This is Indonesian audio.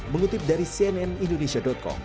mengutip dari cnnindonesia com